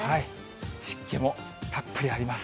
湿気もたっぷりあります。